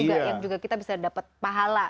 juga yang juga kita bisa dapat pahala